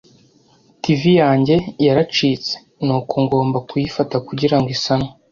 TV yanjye yaracitse, nuko ngomba kuyifata kugirango isanwe.